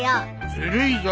ずるいぞ。